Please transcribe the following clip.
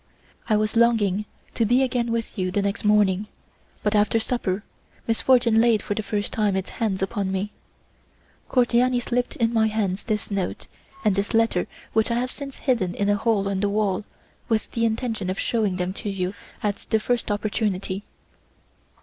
I was longing to be again with you the next morning, but after supper, misfortune laid for the first time its hand upon me. Cordiani slipped in my hands this note and this letter which I have since hidden in a hole in the wall, with the intention of shewing them to you at the first opportunity."